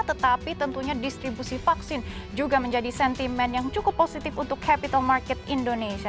tetapi tentunya distribusi vaksin juga menjadi sentimen yang cukup positif untuk capital market indonesia